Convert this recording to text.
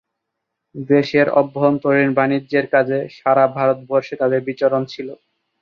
দেশের অভ্যন্তরীণ বাণিজ্যের কাজে সারা ভারতবর্ষে তাদের বিচরণ ছিল।